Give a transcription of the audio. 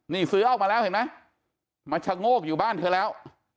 นี่ซื้อออกมาแล้วเห็นไหมมาชะโงกอยู่บ้านเธอแล้ว